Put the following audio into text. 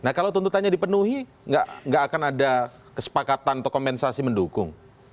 nah kalau tuntutannya dipenuhi nggak akan ada kesepakatan atau kompensasi mendukung